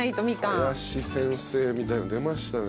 林先生みたいなの出ましたね。